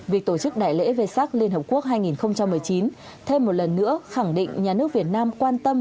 việc tổ chức đại lễ vê sắc liên hợp quốc hai nghìn một mươi chín thêm một lần nữa khẳng định nhà nước việt nam quan tâm